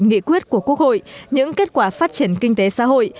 nghị quyết của quốc hội những kết quả phát triển kinh tế xã hội